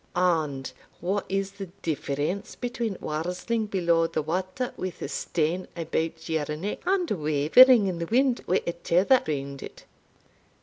And what is the difference between warsling below the water wi' a stane about your neck, and wavering in the wind wi' a tether round it?